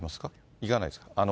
いかないですか。